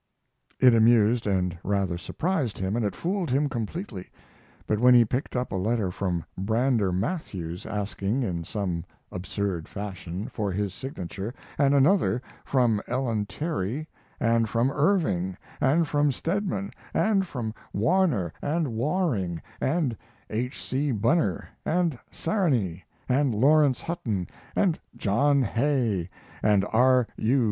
It amused and rather surprised him, and it fooled him completely; but when he picked up a letter from Brander Matthews, asking, in some absurd fashion, for his signature, and another from Ellen Terry, and from Irving, and from Stedman, and from Warner, and Waring, and H. C. Bunner, and Sarony, and Laurence Hutton, and John Hay, and R. U.